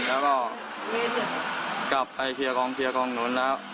แล้วก็กลับไปเชียร์กองเชียร์กองนู้นแล้ว